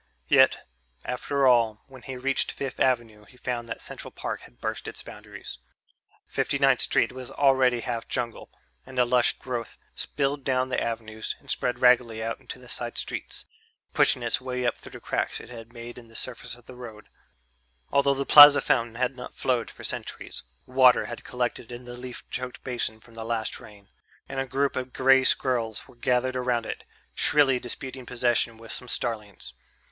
Yet, after all, when he reached Fifth Avenue he found that Central Park had burst its boundaries. Fifty ninth Street was already half jungle, and the lush growth spilled down the avenues and spread raggedly out into the side streets, pushing its way up through the cracks it had made in the surface of the roads. Although the Plaza fountain had not flowed for centuries, water had collected in the leaf choked basin from the last rain, and a group of grey squirrels were gathered around it, shrilly disputing possession with some starlings.